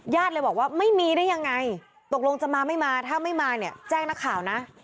เลยบอกว่าไม่มีได้ยังไงตกลงจะมาไม่มาถ้าไม่มาเนี่ยแจ้งนักข่าวนะ